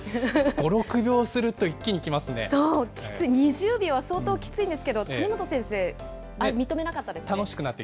５、６秒すると、そう、きつい、２０秒は相当きついんですけれども、谷本先生、認めなかったですね。